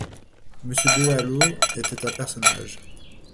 Monsieur Delalot était un personnage.